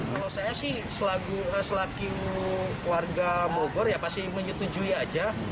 kalau saya sih selagi warga bogor ya pasti menyetujui aja